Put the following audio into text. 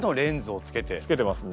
つけてますね。